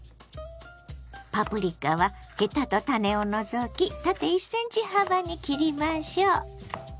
パプリカはヘタと種を除き縦１ｃｍ幅に切りましょう。